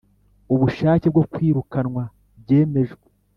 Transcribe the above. ubushake no kwirukanwa byemejwe